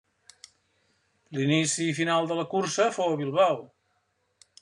L'inici i final de la cursa fou a Bilbao.